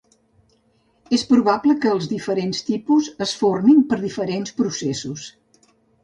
És probable que els diferents tipus es formin per diferents processos.